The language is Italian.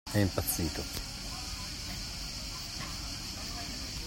È impazzito!